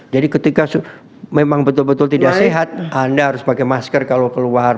jadi ketika memang betul betul tidak sehat anda harus pakai masker kalau keluar